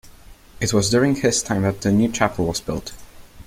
It was during his time that the new chapel was built.